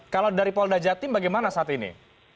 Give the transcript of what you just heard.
kalau dari polda jatim bagaimana saat ini